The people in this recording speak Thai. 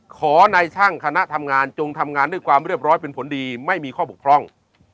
ขอในช่างคณะทำงานจงทำงานด้วยความเรียบร้อยเป็นผลดีไม่มีข้อบกพร่อง